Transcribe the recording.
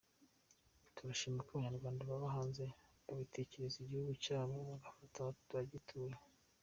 Turanashima ko Abanyarwanda baba hanze bagitekereza igihugu cyabo bagafasha abagituye.